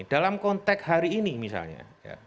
dalam konteks hari ini misalnya